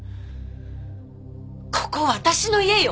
ここは私の家よ！